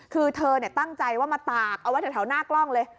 นึกว่าเธอเนี่ยตั้งใจว่ามาตากเอาไว้ในแถวหน้ากล้องเลย